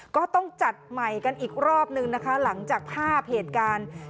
ก็ต้องจัดใหม่กันอีกรอบนึงนะคะหลังจากภาพเหตุการณ์